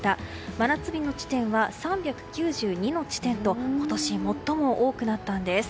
真夏日の地点は３９２の地点と今年、最も多くなったんです。